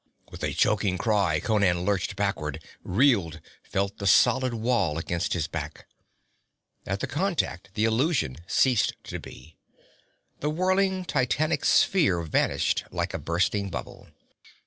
With a choking cry Conan lurched backward, reeled, felt the solid wall against his back. At the contact the illusion ceased to be. The whirling, titanic sphere vanished like a bursting bubble.